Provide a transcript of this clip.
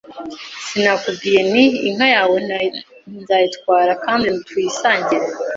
sinakubwiye nti inka yawe nzayitwara kandi tuyisangire